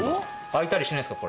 開いたりしないですか？